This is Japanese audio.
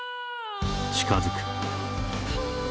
近づく。」。